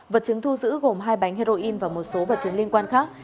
vật chứng thu giữ gồm hai bánh heroin và một số vật chứng liên quan khác